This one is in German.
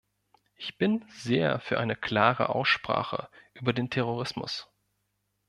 Ich bin sehr für eine klare Aussprache über den Terrorismus.